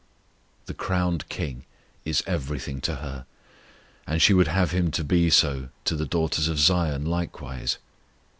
The crowned KING is everything to her, and she would have Him to be so to the daughters of Zion likewise.